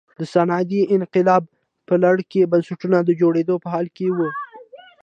د صنعتي انقلاب په لړ کې بنسټونه د جوړېدو په حال کې وو.